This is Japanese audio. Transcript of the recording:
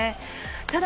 ただ、